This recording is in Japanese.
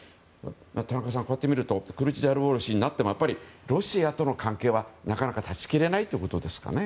田中さん、こうやって見るとクルチダルオール氏になってもやっぱりロシアとの関係はなかなか断ち切れないということですかね。